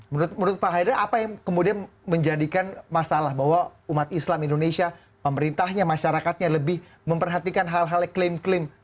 menurut pak haidar apa yang kemudian menjadikan masalah bahwa umat islam indonesia pemerintahnya masyarakatnya lebih memperhatikan hal hal yang klaim klaim